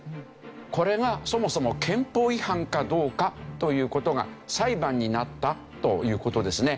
これがそもそも憲法違反かどうかという事が裁判になったという事ですね。